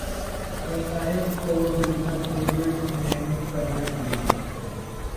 Verisign's core business is its naming services division.